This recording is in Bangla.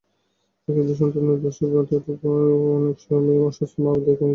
কিন্তু সন্তানেরা দেশের মধ্যে থেকেও অনেক সময় অসুস্থ মা-বাবার দায়িত্ব নিতে চায় না।